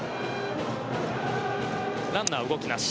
ランナー、動きなし。